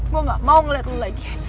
gue gak mau ngeliat lo lagi